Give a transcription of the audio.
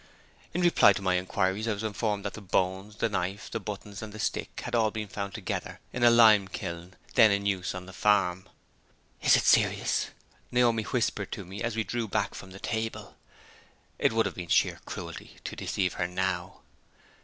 In reply to my inquiries, I was informed that the bones, the knife, the buttons and the stick had all been found together in a lime kiln then in use on the farm. "Is it serious?" Naomi whispered to me as we drew back from the table. It would have been sheer cruelty to deceive her now.